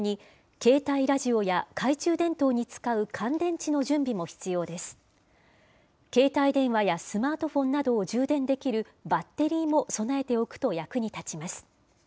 携帯電話やスマートフォンなどを充電できるバッテリーも備えておくと役に立ちます。